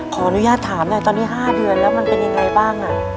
ขออนุญาตถามหน่อยตอนนี้๕เดือนแล้วมันเป็นยังไงบ้าง